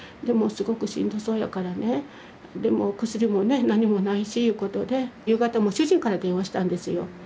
すごくしんどそうやからねでもお薬も何もないしゆうことで夕方もう主人から電話したんですよ。